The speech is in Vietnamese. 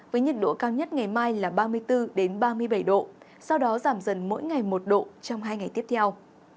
với nhiệt độ cao nhất ngày mai là ba mươi bốn ba mươi bảy độ sau đó giảm dần mỗi ngày một độ trong hai ngày tiếp theo